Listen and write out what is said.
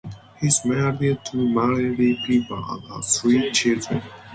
He is married to Mary Lee Pieper and has three children.